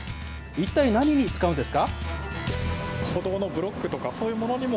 一体何に使うんですか？